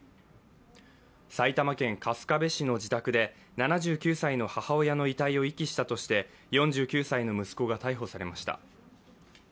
埼玉県春日部市の自宅で７９歳の母親の遺体を遺棄したとして４９歳の息子が逮捕されました。